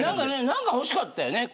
何かほしかったよね